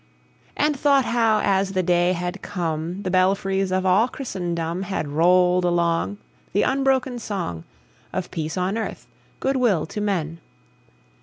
And thought how, as the day had come, The belfries of all Christendom Had rolled along The unbroken song Of peace on earth, good will to men!